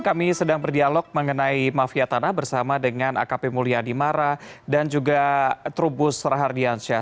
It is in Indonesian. kami sedang berdialog mengenai mafia tanah bersama dengan akp mulyadi mara dan juga trubus rahardiansyah